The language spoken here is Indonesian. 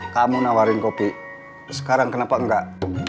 kamu nawarin kopi sekarang kenapa enggak